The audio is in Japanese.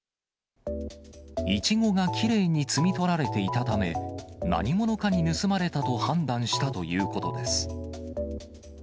イチゴがきれいに摘み取られていたため、何者かに盗まれたと判断したということです。